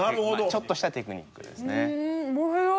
ちょっとしたテクニックですね。